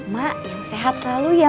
mak yang sehat selalu ya